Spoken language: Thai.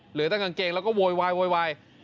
เหลือแต่กางเกงแล้วก็โวย